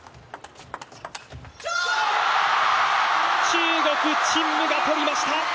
中国・陳夢が取りました。